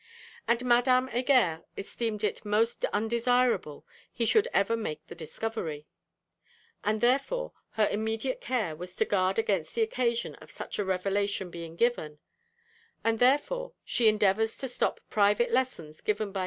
And Madame Heger esteemed it most undesirable he should ever make the discovery. And therefore her immediate care was to guard against the occasion of such a revelation being given: and therefore she endeavours to stop private lessons given by M.